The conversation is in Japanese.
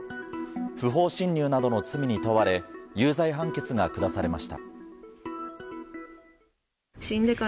不法侵入などの罪に問われ有罪判決が下されました。